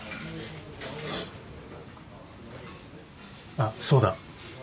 あっそうだ。